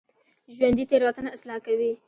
ژوندي تېروتنه اصلاح کوي